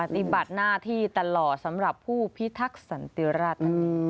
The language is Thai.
ปฏิบัติหน้าที่ตลอดสำหรับผู้พิทักษันติราช